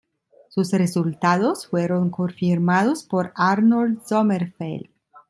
Sus resultados fueron confirmados por Arnold Sommerfeld.